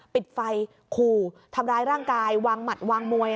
ปิดไฟขู่ทำร้ายร่างกายวางหมัดวางมวย